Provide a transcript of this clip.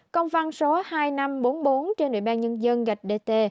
công văn số hai nghìn năm trăm bốn mươi bốn trên ủy ban nhân dân gạch dt